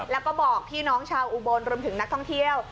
แล้วก็บอกพี่น้องชาวอุบลรวมถึงนักท่องเที่ยว